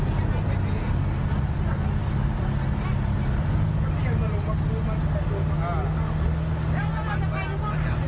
นี่ไว้มันนี่ไว้มันนี่ไว้มันนี่ไว้มันนี่ไว้มันนี่ไว้มันนี่ไว้มัน